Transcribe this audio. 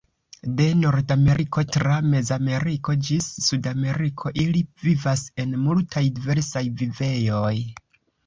De Nordameriko tra Mezameriko ĝis Sudameriko ili vivas en multaj diversaj vivejoj.